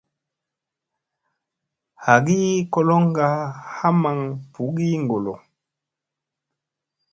Hagi koloŋga haa maŋ ɓugigolo.